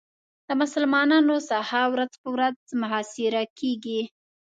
د مسلمانانو ساحه ورځ په ورځ محاصره کېږي.